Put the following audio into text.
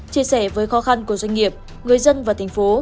chia sẻ với khó khăn của doanh nghiệp người dân và thành phố